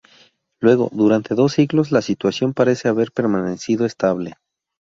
Luego, durante dos siglos, la situación parece haber permanecido estable.